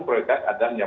seperti dikatakan pak